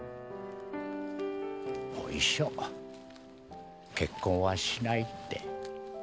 もう一生結婚はしないって。